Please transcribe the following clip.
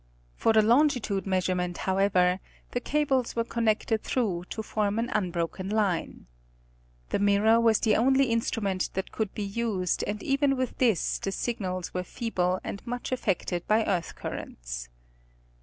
For the longitude measurement however the cables were connected through to form an unbroken line. The mirror was the only instrument that could be used and even with this the signals were feeble and much affected by earth currents.